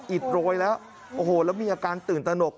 อิดโรยแล้วโอ้โหแล้วมีอาการตื่นตนก